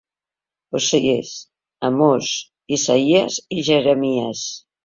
Osees, Amós, Isaïes i Jeremies.